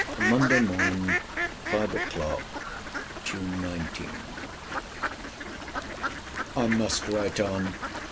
MONDAY MORN. FIVE O'CLOCK (JUNE 19.) I must write on.